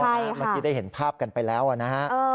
เมื่อกี้ได้เห็นภาพกันไปแล้วนะฮะ